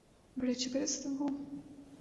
بڑے چھپے رستم ہو